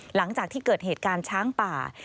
หลังจากที่เกิดเหตุการณ์ช้างป่า